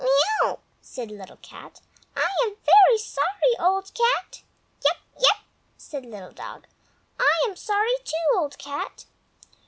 "Miaouw!" said Little Cat. "I am very sorry, Old Cat." "Yap! Yap!" said Little Dog. "I am sorry too, Old Cat."